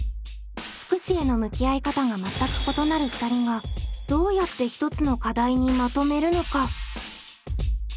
福祉への向き合い方が全く異なる２人がどうやって１つの課題にまとめるのか？